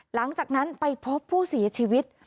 หลังจากนั้นไปพบผู้เสียชีวิต